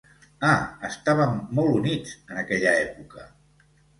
Ah, estàvem molt units en aquella època.